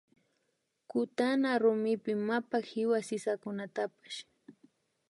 Kutana rumipi mapa kiwa sisakunatapsh